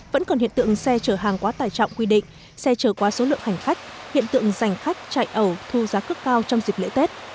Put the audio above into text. vẫn còn hiện tượng xe chở hàng quá tài trọng quy định xe chở quá số lượng hành khách hiện tượng giành khách chạy ẩu thu giá cước cao trong dịp lễ tết